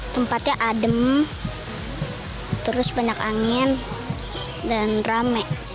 tempatnya adem terus banyak angin dan rame